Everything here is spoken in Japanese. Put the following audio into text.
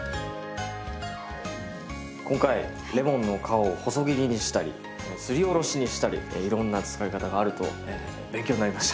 今回レモンの皮を細切りにしたりすりおろしにしたりいろんな使い方があると勉強になりました。